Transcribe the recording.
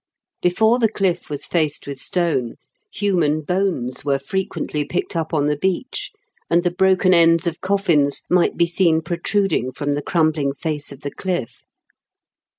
Before the cliff was faced with stone, human bones were frequently picked up on the beach, and the broken ends of coffins might be seen pro truding from the crumbling face of the cliff.